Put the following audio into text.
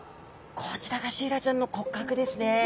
こちらがシイラちゃんの骨格ですね。